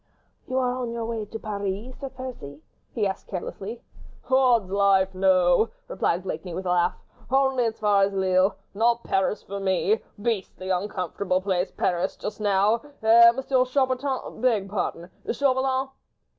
"You are on your way to Paris, Sir Percy?" he asked carelessly. "Odd's life, no," replied Blakeney, with a laugh. "Only as far as Lille—not Paris for me ... beastly uncomfortable place Paris, just now ... eh, Monsieur Chaubertin ... beg pardon ... Chauvelin!"